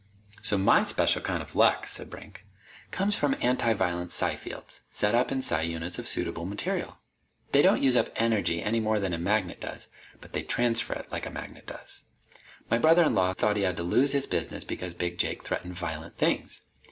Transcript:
"So my special kind of luck," said Brink, "comes from antiviolence psi fields, set up in psi units of suitable material. They don't use up energy any more than a magnet does. But they transfer it, like a magnet does. My brother in law thought he had to lose his business because Big Jake threatened violent things.